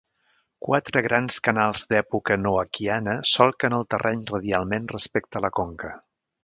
Quatre grans canals d'època noaquiana solquen el terreny radialment respecte a la conca.